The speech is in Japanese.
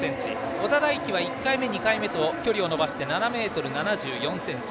小田大樹は１回目、２回目と距離を伸ばして７ｍ７４ｃｍ。